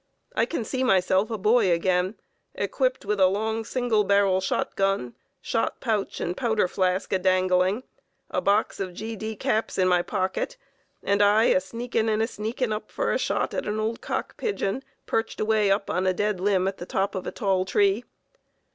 I can see myself a boy again, equipped with a long, single barrel shot gun, shot pouch and powder flask a dangling, a box of G. D. caps in my pocket, and I a sneakin' and a sneakin' up for a shot at an old cock pigeon perched away up on a dead limb at the top of a tall tree.